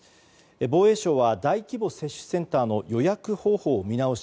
防衛省は大規模接種センターの予約方法を見直し